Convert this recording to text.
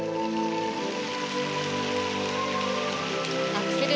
アクセル